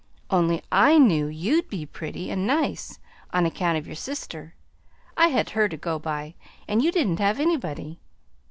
Only I KNEW you'd be pretty and nice, on account of your sister. I had her to go by, and you didn't have anybody.